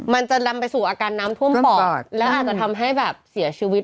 มันจะนำไปสู่อาการน้ำท่วมปอดแล้วอาจจะทำให้แบบเสียชีวิต